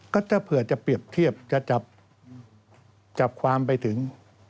ก็ถ้าเผื่อจะเปรียบเทียบจะจับความไปถึง